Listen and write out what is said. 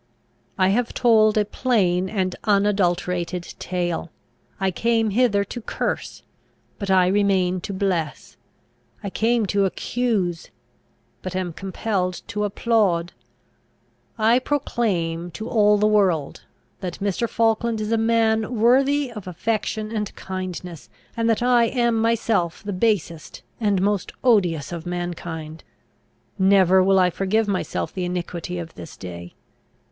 "I have told a plain and unadulterated tale. I came hither to curse, but I remain to bless. I came to accuse, but am compelled to applaud. I proclaim to all the world, that Mr. Falkland is a man worthy of affection and kindness, and that I am myself the basest and most odious of mankind! Never will I forgive myself the iniquity of this day.